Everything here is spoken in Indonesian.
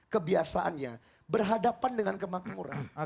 kebiasaannya berhadapan dengan kemakmuran